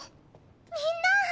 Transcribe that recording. みんな！